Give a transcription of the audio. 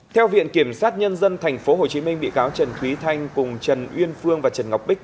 theo viện kiểm sát nhân dân tp hcm bị cáo trần quý thanh cùng trần uyên phương và trần ngọc bích